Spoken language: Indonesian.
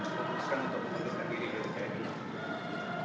adalah beliau memutuskan untuk membutuhkan diri di usia ini